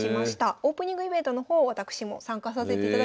オープニングイベントの方私も参加させていただきました。